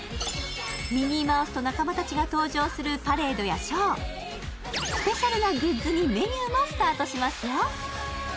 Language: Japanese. ミニーマウスと仲間達が登場するパレードやショースペシャルなグッズにメニューもスタートしますよ